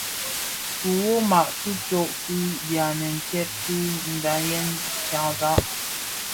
Kiwoma ki tsok bi byamèn tyèn ti dhayen tyanzag.